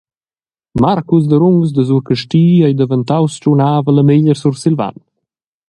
Marcus Derungs da Surscasti ei daventaus tschunavel e meglier Sursilvan.